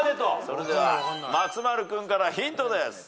それでは松丸君からヒントです。